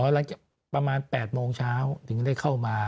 หลังจากประมาณ๘โมงเช้าถึงได้เข้ามา